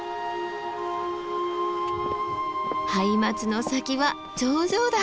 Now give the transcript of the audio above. ハイマツの先は頂上だ！